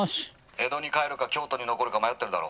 「江戸に帰るか京都に残るか迷ってるだろ」。